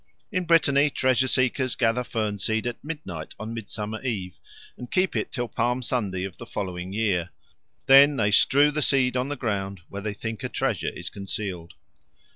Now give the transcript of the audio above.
In Brittany treasure seekers gather fern seed at midnight on Midsummer Eve, and keep it till Palm Sunday of the following year; then they strew the seed on the ground where they think a treasure is concealed.